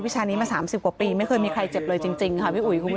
ชานี้มา๓๐กว่าปีไม่เคยมีใครเจ็บเลยจริงค่ะพี่อุ๋ยคุณผู้ชม